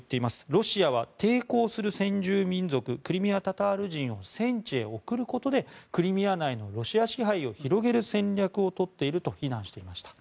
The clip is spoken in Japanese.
ロシアは抵抗する先住民族クリミア・タタール人を戦地へ送ることでクリミア内のロシア支配を広げる戦略を取っていると非難していました。